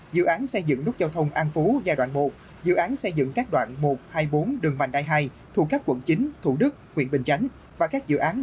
dự án xây dựng nút giao thông an phú giai đoạn một dự án xây dựng các đoạn một hai bốn đường mạnh đai hai